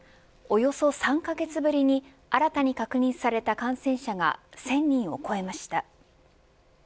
およそ３カ月ぶりに新たに確認された感染者が１０００人を超えました。